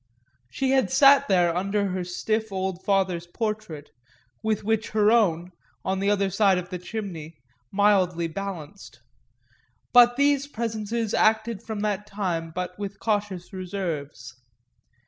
She had sat there under her stiff old father's portrait, with which her own, on the other side of the chimney, mildly balanced; but these presences acted from that time but with cautious reserves.